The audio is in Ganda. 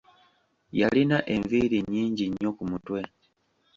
Yalina enviiri nnyingi nnyo ku mutwe.